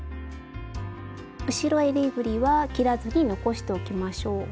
後ろえりぐりは切らずに残しておきましょう。